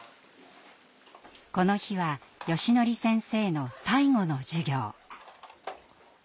この日はよしのり先生の最後の授業。